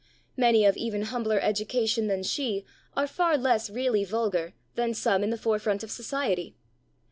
Many of even humbler education than she are far less really vulgar than some in the forefront of society.